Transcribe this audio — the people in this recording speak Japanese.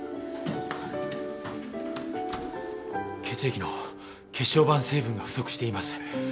血液の血小板成分が不足しています。